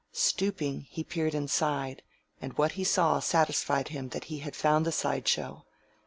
Stooping, he peered inside, and what he saw satisfied him that he had found the side show.